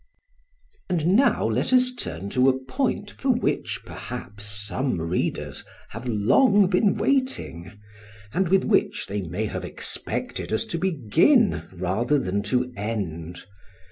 And now let us turn to a point for which perhaps some readers have long been waiting, and with which they may have expected us to begin rather than to end.